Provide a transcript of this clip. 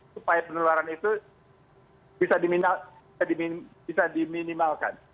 supaya penularan itu bisa diminimalkan